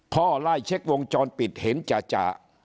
พ่อไล่เช็กวงจรปิดเห็นจ่า